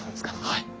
はい。